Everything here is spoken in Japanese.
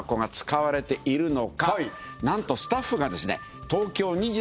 何とスタッフがですね。